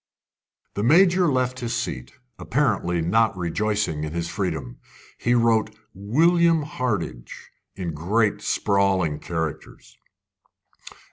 The Major left his seat, apparently not rejoicing in his freedom. He wrote "William Hardinge" in great sprawling characters.